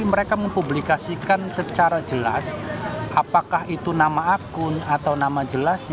mereka mempublikasikan secara jelas apakah itu nama akun atau nama jelasnya